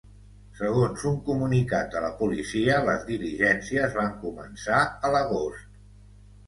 Segons un comunicat de la policia, les diligències van començar a l’agost.